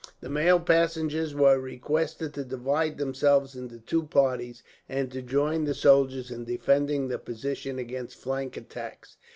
The male passengers were requested to divide themselves into two parties, and to join the soldiers in defending the position against flank attacks.